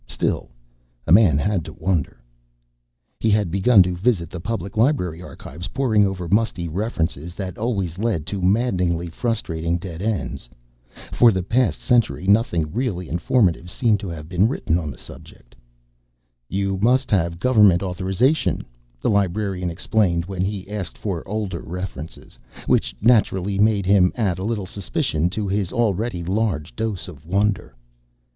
Still a man had to wonder.... He had begun to visit the Public Library Archives, poring over musty references that always led to maddeningly frustrating dead ends. For the past century nothing really informative seemed to have been written on the subject. "You must have government authorization," the librarian explained when he asked for older references. Which, naturally, made him add a little suspicion to his already large dose of wonder.